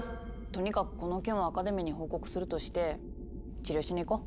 とにかくこの件はアカデミーに報告するとして治療しに行こう。